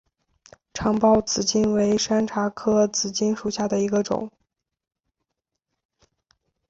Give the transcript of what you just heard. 长苞紫茎为山茶科紫茎属下的一个种。